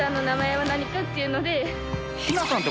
はい。